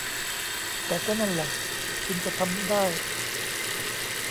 แต่ก็นั่นล่ะคุณจะทำได้